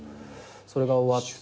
それが終わって。